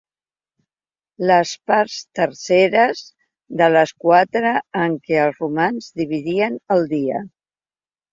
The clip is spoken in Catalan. Les parts terceres de les quatre en què els romans dividien el dia.